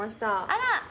あら！